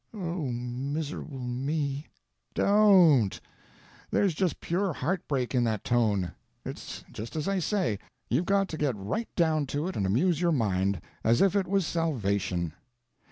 "Oh, miserable me!" "Don't! There's just pure heart break in that tone. It's just as I say; you've got to get right down to it and amuse your mind, as if it was salvation."